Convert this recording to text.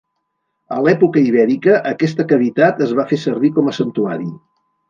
A l'època ibèrica aquesta cavitat es va fer servir com a santuari.